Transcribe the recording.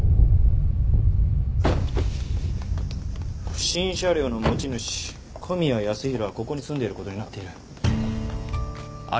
不審車両の持ち主古宮康弘はここに住んでいることになっている。